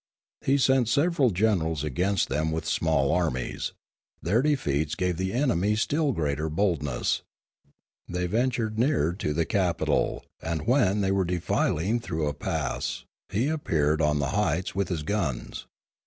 He sent several generals against them with small armies. Their defeats gave the enemy still greater boldness. They ventured nearer to the capital; and when they were defiling through a pass he appeared on the heights with his guns.